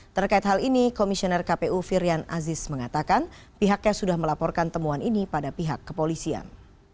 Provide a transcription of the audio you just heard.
terkait hal ini komisioner kpu firian aziz mengatakan pihaknya sudah melaporkan temuan ini pada pihak kepolisian